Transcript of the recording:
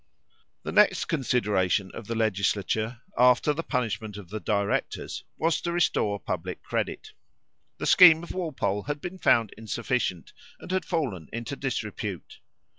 The next consideration of the legislature, after the punishment of the directors, was to restore public credit. The scheme of Walpole had been found insufficient, and had fallen into disrepute.